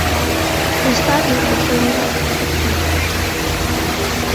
You start with the following equipment.